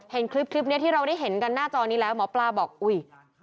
เห็นคลิปนี้ที่เราได้เห็นกันหน้าจอนี้แล้วหมอปลาบอกอุ้ย